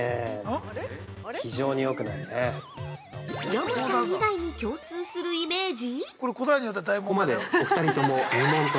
◆山ちゃん以外に共通するイメージ？